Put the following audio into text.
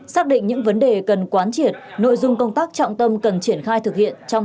xác định những vấn đề cần quán triệt nội dung công tác trọng tâm cần triển khai thực hiện trong